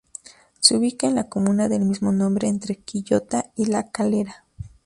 Se ubica en la comuna del mismo nombre, entre Quillota y La Calera.